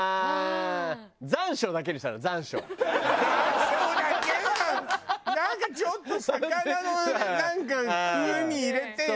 山椒だけはなんかちょっと魚のなんか風味入れてよ。